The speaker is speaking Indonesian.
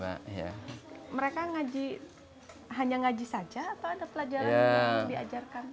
mereka hanya mengaji saja atau ada pelajaran yang diajarkan